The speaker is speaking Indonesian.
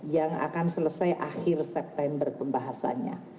yang akan selesai akhir september pembahasannya